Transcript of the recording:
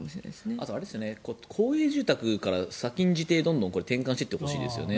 あと、公営住宅から先んじて転換していってほしいですね。